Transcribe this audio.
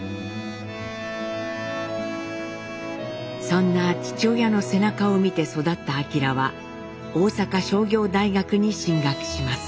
そんな父親の背中を見て育った晃は大阪商業大学に進学します。